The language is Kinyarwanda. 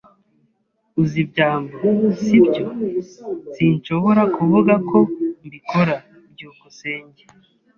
"Uzi byambo, si byo?" "Sinshobora kuvuga ko mbikora." byukusenge